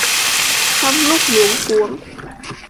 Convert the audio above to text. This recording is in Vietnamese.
Trong lúc luống cuống